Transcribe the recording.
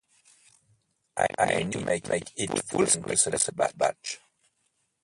I need to make it fullscreen to select batch.